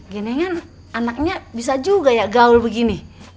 gini kan anaknya bisa juga ya gaul begini